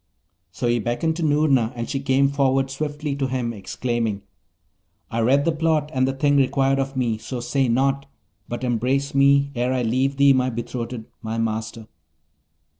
So he beckoned to Noorna, and she came forward swiftly to him, exclaiming, 'I read the plot, and the thing required of me; so say nought, but embrace me ere I leave thee, my betrothed, my master!'